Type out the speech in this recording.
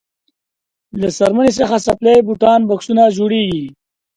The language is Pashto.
له څرمنې څخه څپلۍ بوټان بکسونه جوړیږي.